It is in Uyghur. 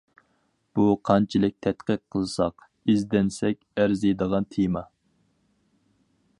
بۇ قانچىلىك تەتقىق قىلساق، ئىزدەنسەك ئەرزىيدىغان تېما.